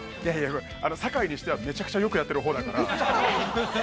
◆酒井にしては、めちゃくちゃよくやっているほうだから。